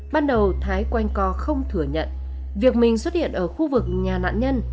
ban đầu thái quanh co không thừa nhận việc mình xuất hiện ở khu vực nhà nạn nhân